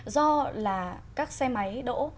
do là các xe máy đỗ